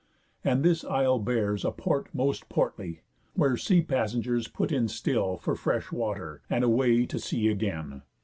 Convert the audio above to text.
And this isle bears A port most portly, where sea passengers Put in still for fresh water, and away To sea again.